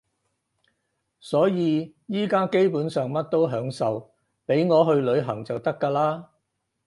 所以而家基本上乜都享受，畀我去旅行就得㗎喇